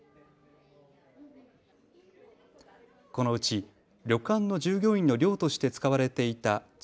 このうち旅館の従業員の寮として使われていた築